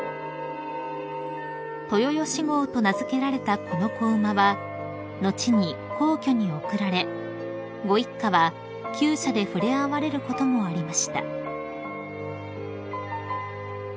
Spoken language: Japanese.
［豊歓号と名付けられたこの子馬は後に皇居に送られご一家は厩舎で触れ合われることもありました］